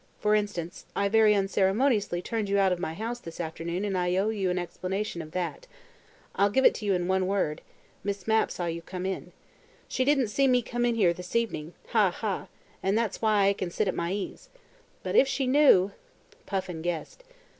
For instance, I very unceremoniously turned you out of my house this afternoon and I owe you an explanation of that. I'll give it you in one word: Miss Mapp saw you come in. She didn't see me come in here this evening ha! ha! and that's why I can sit at my ease. But if she knew " Puffin guessed.